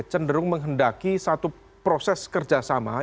cenderung menghendaki satu proses kerjasama